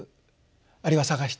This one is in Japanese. あるいは探していく。